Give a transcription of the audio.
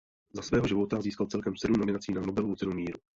Za svého života získal celkem sedm nominací na Nobelovu cenu míru.